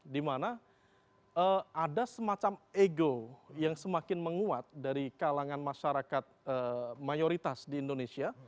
dimana ada semacam ego yang semakin menguat dari kalangan masyarakat mayoritas di indonesia